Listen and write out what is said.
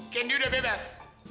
candy sudah bebas